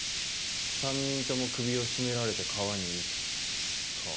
３人とも首を絞められて川に遺棄か。